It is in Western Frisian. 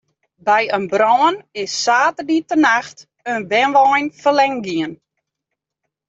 By in brân is saterdeitenacht in wenwein ferlern gien.